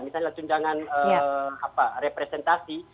misalnya tunjangan representasi